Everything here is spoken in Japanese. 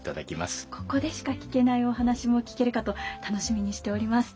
ここでしか聞けないお話も聞けるかと楽しみにしております。